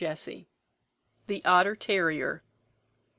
] THE OTTER TERRIER.